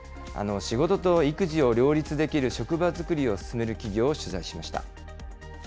仕事と育児を両立できる職場作りを進める企業を取材しました。